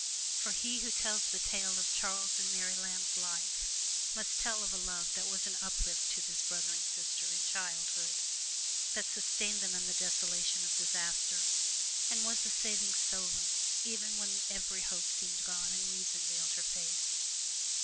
For he who tells the tale of Charles and Mary Lamb's life must tell of a love that was an uplift to this brother and sister in childhood, that sustained them in the desolation of disaster, and was a saving solace even when every hope seemed gone and reason veiled her face.